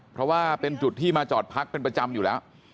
เพราะว่าเป็นจุดที่มาจอดพักเป็นประจำอยู่แล้ว